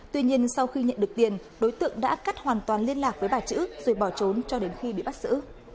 tuy nhiên sau khi nhận được tiền đối tượng đã cắt hoàn toàn liên lạc với bà chữ rồi bỏ trốn cho đến khi bị bắt giữ